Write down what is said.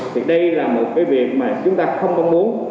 thì đây là một cái việc mà chúng ta không không muốn